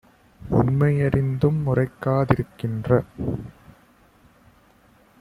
உண்மை யறிந்தும் உரைக்கா திருக்கின்ற